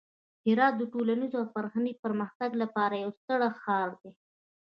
هرات د ټولنیز او فرهنګي پرمختګ لپاره یو ستر ښار دی.